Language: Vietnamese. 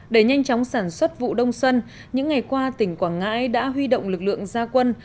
để nhanh chóng sản xuất vụ đông xuân những ngày qua tỉnh quảng ngãi đã huy động lực lượng gia quân